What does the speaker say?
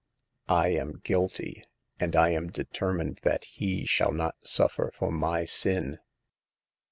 I am guilty, and I am determined that he shall not suffer for my sin.